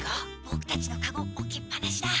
ボクたちのカゴおきっ放しだ。